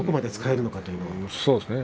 そうですね